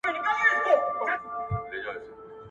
آیا د شرقي او لویدیځ کلتورونو ترمنځ د خبرې کولو کچه توپیر لري؟